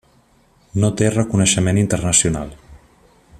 No té reconeixement internacional.